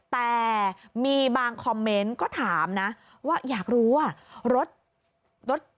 แต่มีบางคอมเมนต์ก็ถามนะว่าอยากรู้ว่ารถ